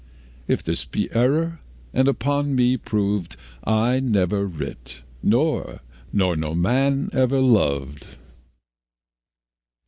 If this be error and upon me prov'd, I never writ, nor no man ever lov'd.